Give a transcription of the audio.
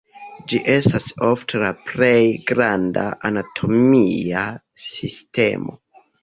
Ĝi estas ofte la plej granda anatomia sistemo.